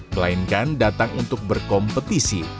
melainkan datang untuk berkompetisi